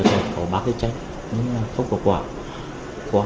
có ba trách không có quả